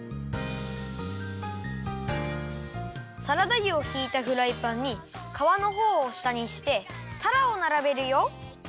サラダ油をひいたフライパンにかわのほうをしたにしてたらをならべるよ。